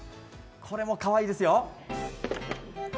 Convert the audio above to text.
これもかわいいですよ。